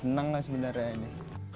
senang lah sebenarnya ini